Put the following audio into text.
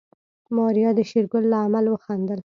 ماريا د شېرګل له عمل وخندل.